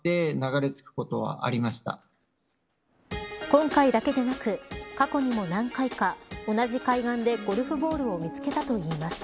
今回だけでなく過去にも何回か、同じ海岸でゴルフボールを見つけたといいます。